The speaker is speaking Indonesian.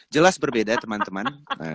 jelas berbeda teman teman